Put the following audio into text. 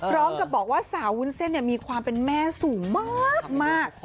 ร้องกับบอกว่าสาววุ้นเส้นมีความเป็นแม่สูงมาก